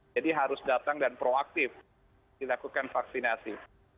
jadi harus datang dan proaktif dilakukan vaksinasi